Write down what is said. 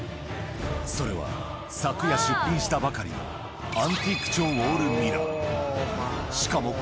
それは、昨夜出品したばかりのアンティーク調ウォールミラー。